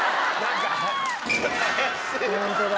ホントだ。